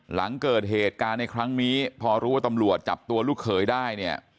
หลังเกิดเหตุการณ์ในครั้งนี้พอรู้ว่าตำรวจจับตัวลูกเขยได้เนี่ย